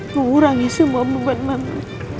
mengurangi semua beban mama